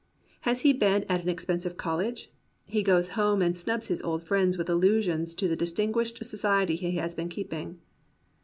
Has he been at an expensive college? He goes home and snubs his old friends with allusions to the distinguished society he has been keeping.